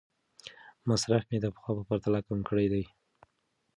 مصرف مې د پخوا په پرتله کم کړی دی.